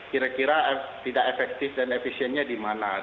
kira kira tidak efektif dan efisiennya di mana